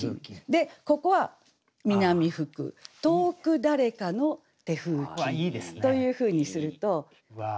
でここは「南吹く遠く誰かの手風琴」というふうにすると。